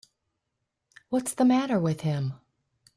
What's the matter with him.